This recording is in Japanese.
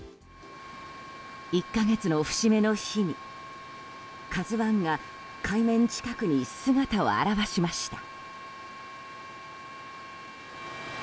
１か月の節目の日に「ＫＡＺＵ１」が海面近くに姿を現しました。